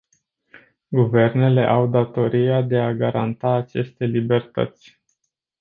Guvernele au datoria de a garanta aceste libertăți.